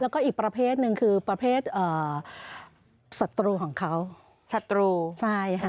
ถ้าก็อีกประเภทหนึ่งคือประเภทเอ่อสัตว์ของเขาสัตว์ไอส์